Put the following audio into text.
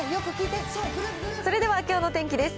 それではきょうの天気です。